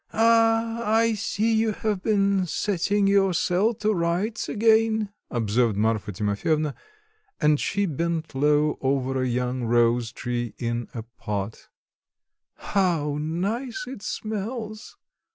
"Ah! I see, you have been setting your cell to rights again," observed Marfa Timofyevna, and she bent low over a young rose tree in a pot; "how nice it smells!"